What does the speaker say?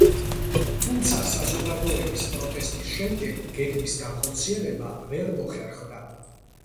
თუმცა, საზოგადოების პროტესტის შემდეგ გეგმის განხორციელება ვერ მოხერხდა.